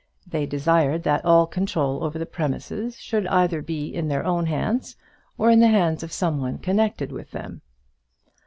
They desired that all control over the premises should either be in their own hands, or in the hands of someone connected with them.